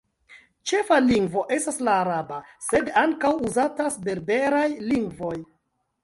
Ĉefa lingvo estas la araba, sed ankaŭ uzatas berberaj lingvoj.